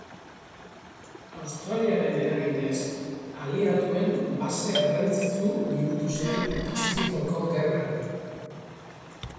Australiaren eraginez, aliatuen base garrantzitsu bihurtu zen Pazifikoko Gerran.